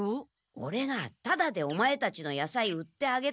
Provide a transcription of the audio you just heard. オレがタダでオマエたちのやさい売ってあげたことを。